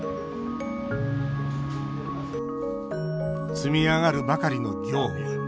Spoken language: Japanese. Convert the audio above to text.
積み上がるばかりの業務。